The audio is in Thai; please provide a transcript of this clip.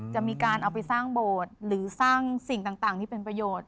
จะมีการเอาไปสร้างโบสถ์หรือสร้างสิ่งต่างที่เป็นประโยชน์